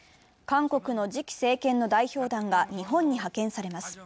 韓国の次期政権の代表団が日本に派遣されます。